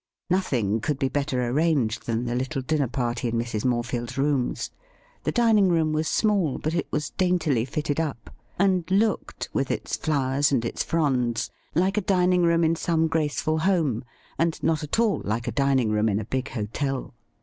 Nothing could be better arranged than the little dinner party in Mrs. Morefield's rooms. The dining room was small, but it was daintily fitted up, and looked, with its lowers and its fronds, like a dining room in some graceful 52 THE RIDDLE RING home, and not at all like a dining rooin in a big hotel.